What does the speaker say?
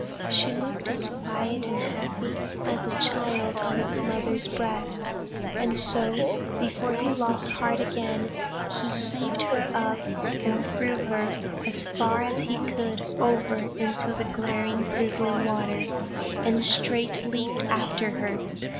She looked as quiet and happy as a child on its mother's breast! and so before he lost heart again, he heaved her up, and threw her as far as he could over into the glaring, dizzying water; and straight leaped after her.